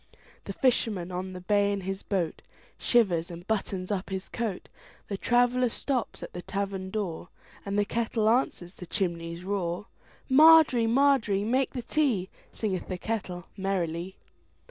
The fisherman on the bay in his boatShivers and buttons up his coat; The traveller stops at the tavern door, And the kettle answers the chimney's roar. Margery, Margery, make the tea, Singeth the kettle merrily.